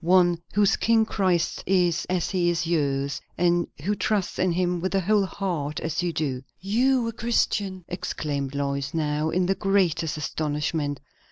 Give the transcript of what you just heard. One whose King Christ is, as he is yours; and who trusts in him with the whole heart, as you do." "You a Christian!" exclaimed Lois now, in the greatest astonishment.